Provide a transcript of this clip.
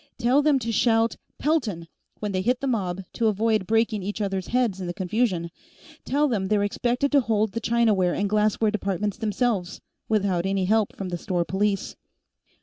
Tell them to shout 'Pelton!' when they hit the mob, to avoid breaking each others' heads in the confusion, and tell them they're expected to hold the Chinaware and Glassware departments themselves, without any help from the store police."